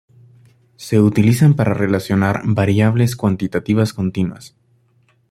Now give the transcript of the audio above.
Se utilizan para relacionar variables cuantitativas continuas.